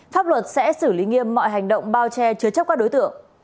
pháp luật sẽ xử lý nghiêm mọi hành động bao che chứa chấp các đối tượng